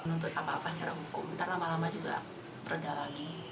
nuntut apa apa secara hukum nanti lama lama juga berada lagi